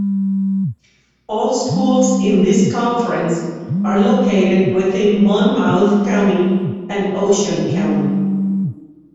All schools in this conference are located within Monmouth County and Ocean County.